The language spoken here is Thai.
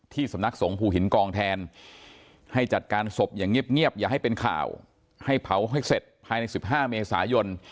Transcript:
อย่าให้เป็นข่าวให้เผาให้เสร็จภายใน๑๕เมษายน